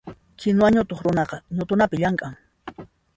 Kinuwa ñutuq runaqa ñutunapi llamk'an.